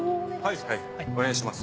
はいはいお願いします。